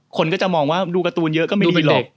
คนก็จะมองว่าดูการ์ตูนเยอะก็ไม่ดีหรอก